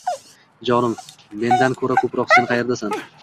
- Jonim, mendan ko'ra ko'proq sen qayerdasan?